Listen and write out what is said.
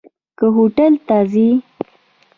که هوټل ته ځي.